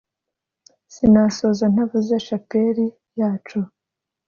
sinasoza ntavuze shapeli yacu